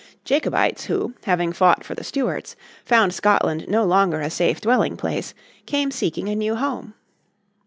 Jacobites who, having fought for the Stuarts, found Scotland no longer a safe dwelling place came seeking a new home.